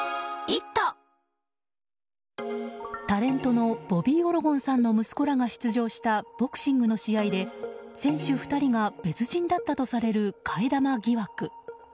タレントのボビー・オロゴンさんの息子らが出場したボクシングの試合で選手２人が別人だったとされる替え玉疑惑。